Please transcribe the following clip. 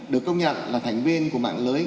được công nhận là thành viên của mạng lưới